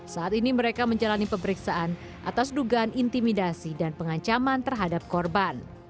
saat ini mereka menjalani pemeriksaan atas dugaan intimidasi dan pengancaman terhadap korban